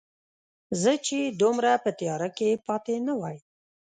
چې زه دومره په تیاره کې پاتې نه وای